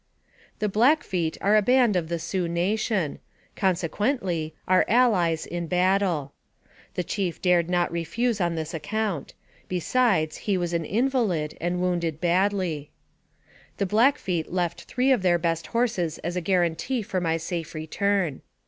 The Blackfeet are a band of the Sioux nation ; con sequently, are allies in battle. The chief dared not refuse on this account; besides, he was an invalid, and wounded badly. The Blackfeet left three of their best horses as a guarantee for my safe return.